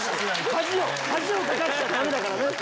恥を恥をかかせちゃダメだからね！